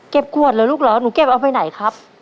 ขวดเหรอลูกเหรอหนูเก็บเอาไปไหนครับ